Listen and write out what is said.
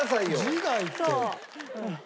自害って。